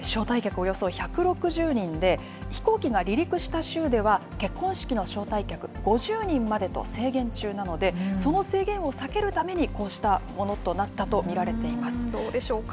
およそ１６０人で、飛行機が離陸した州では、結婚式の招待客５０人までと制限中なので、その制限を避けるために、こうしたものとなったと見られていどうでしょうか。